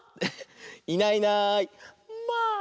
「いないいないまあ！」。